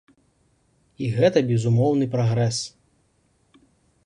І гэта безумоўны прагрэс.